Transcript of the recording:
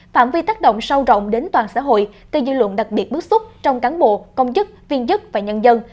phạm vi tác động sâu rộng đến toàn xã hội gây dư luận đặc biệt bức xúc trong cán bộ công chức viên chức và nhân dân